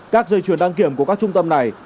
các dây chuyển đăng kiểm của các trung tâm này